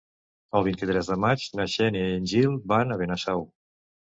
El vint-i-tres de maig na Xènia i en Gil van a Benasau.